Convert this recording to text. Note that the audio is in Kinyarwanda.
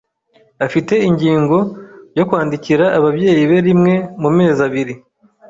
Afite ingingo yo kwandikira ababyeyi be rimwe mu mezi abiri.